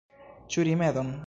Ĉu rimedon?